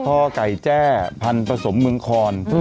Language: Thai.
พ่อไก่แจ้พันธุ์ผสมเมืองคอน